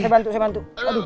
saya bantu saya bantu